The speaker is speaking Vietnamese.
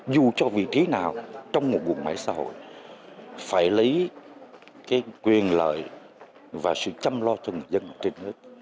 dù cho vị trí nào trong một bộ máy xã hội phải lấy cái quyền lợi và sự chăm lo cho người dân ở trên nước